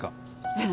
ええ。